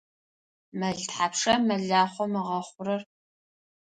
Мэл тхьапша мэлахъом ыгъэхъурэр?